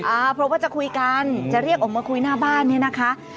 เพราะว่าจะคุยกันจะเรียกออกมาคุยหน้าบ้านเนี่ยนะคะ